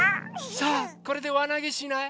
さあこれでわなげしない？